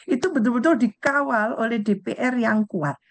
itu betul betul dikawal oleh dpr yang kuat